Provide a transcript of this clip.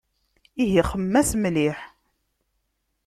Ihi xemmem-as mliḥ.